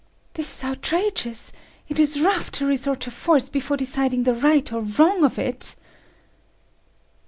"This is outrageous! It is rough to resort to force before deciding the right or wrong of it!"